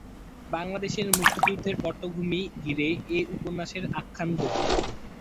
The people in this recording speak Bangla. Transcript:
বাংলাদেশের মুক্তিযুদ্ধের পটভূমি ঘিরে এ উপন্যাসের আখ্যান গঠিত।